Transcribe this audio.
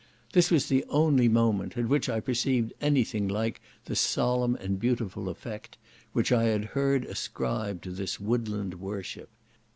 This was the only moment at which I perceived any thing like the solemn and beautiful effect, which I had heard ascribed to this woodland worship.